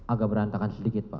agak berantakan sedikit pak